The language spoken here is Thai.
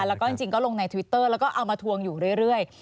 แล้วก็จริงก็ลงในทวิตเตอร์แล้วก็เอามาทวงอยู่เรื่อย